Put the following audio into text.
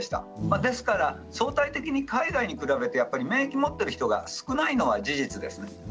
ですから相対的に海外に比べて免疫を持っている人が少ないのが事実です。